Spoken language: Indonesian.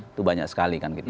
itu banyak sekali kan